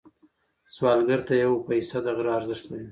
سوالګر ته یو پيسه د غره ارزښت لري